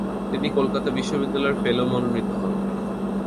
তিনি কলকাতা বিশ্ববিদ্যালয়ের ফেলো মনোনীত হন।